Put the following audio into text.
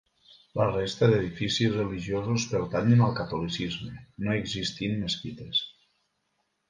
La resta d'edificis religiosos pertanyen al catolicisme, no existint mesquites.